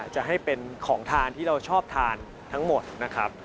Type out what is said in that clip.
จะให้เป็นของทานที่เราชอบทานทั้งหมดนะครับ